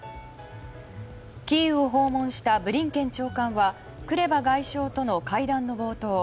キーウを訪問したブリンケン長官はクレバ外相との会談の冒頭